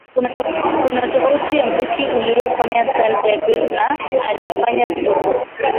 Kuna tofauti kati ya muziki aliofanya Saleh Jabir na aliofanya Sugu